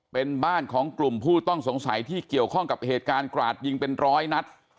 เป็นบ้านของกลุ่มผู้ต้องสงสัยที่เกี่ยวข้องกับเหตุการณ์กราดยิงเป็นร้อยนัด